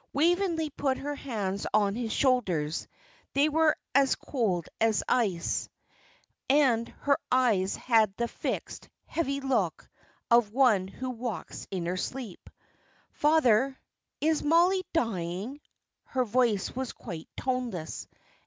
Waveney put her hands on his shoulders; they were cold as ice, and her eyes had the fixed, heavy look of one who walks in her sleep. "Father, is Mollie dying?" Her voice was quite toneless.